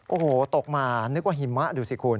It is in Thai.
โอ้โหตกมานึกว่าหิมะดูสิคุณ